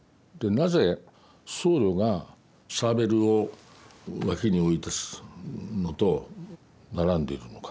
なぜ僧侶がサーベルを脇に置いたのと並んでいるのか。